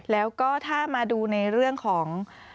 แล้วก็ถ้ามาดูในเรื่องของ